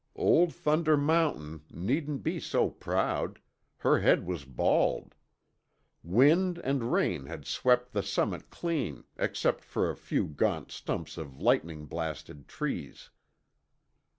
Old Thunder Mountain needn't be so proud her head was bald. Wind and rain had swept the summit clean except for a few gaunt stumps of lightning blasted trees.